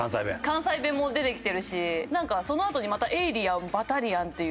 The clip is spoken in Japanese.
関西弁も出てきてるしそのあとにまた「『エイリアンバタリアン』」っていう。